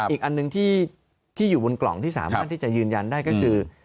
อีกอันหนึ่งที่อยู่บนกล่องที่สามารถที่จะยืนยันได้ก็คือ